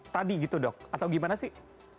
tadi gitu dok atau gimana sih